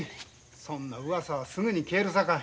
そんなうわさはすぐに消えるさかい。